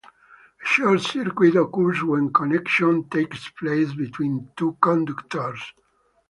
A short circuit occurs when connection takes place between two conductors.